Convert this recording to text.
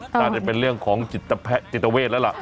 น่าจะเป็นเรื่องของจิตเวทแล้วล่ะ